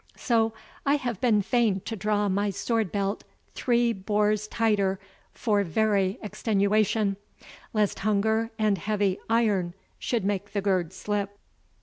So I have been fain to draw my sword belt three bores tighter for very extenuation, lest hunger and heavy iron should make the gird slip."